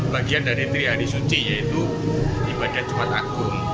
bagian dari trihari suci yaitu ibadah jumat agung